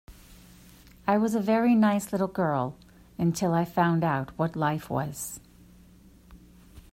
I was a very nice little girl, until I found out what life was.